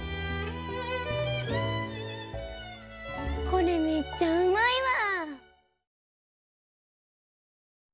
これめっちゃうまいわ！